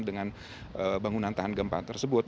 dengan bangunan tahan gempa tersebut